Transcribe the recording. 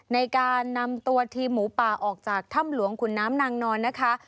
ในการนำตัวทีมหมูป่าออกจากถ้ำหลวงขุนน้ำนางนอนนะคะ